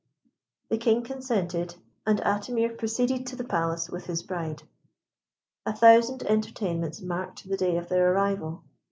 The King consented, and Atimir proceeded to the Palace with his bride. A thousand entertainments marked the day of their arrival.